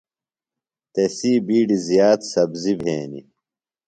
تسی بِیڈیۡ زیات سبزیۡ بِھینیۡ۔